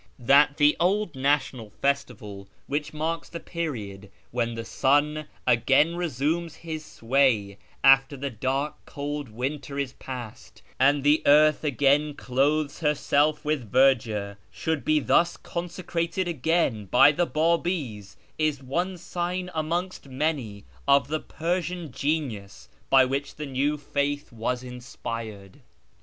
That the old national festival, which marks the period when the sun again resumes his sway after the dark cold winter is past and the earth again clothes herself with verdure, should be thus consecrated again by the Babi's is one sign amongst many of the Persian genius by which the new faith was inspired.